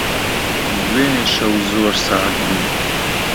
دوێنێ شەو زۆر سارد بوو.